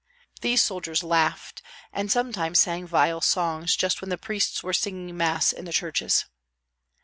These soldiers laughed, and sometimes sang vile songs just when the priests were singing Mass in the churches.